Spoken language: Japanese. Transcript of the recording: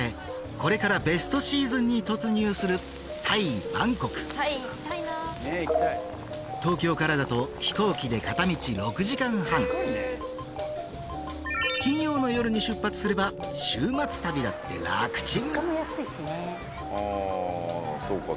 これからベストシーズンに突入するタイ・バンコク東京からだと飛行機で片道６時間半金曜の夜に出発すれば週末旅だって楽ちん